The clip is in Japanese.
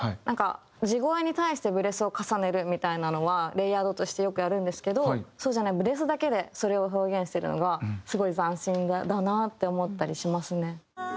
なんか地声に対してブレスを重ねるみたいなのはレイヤードとしてよくやるんですけどそうじゃないブレスだけでそれを表現してるのがすごい斬新だなって思ったりしますね。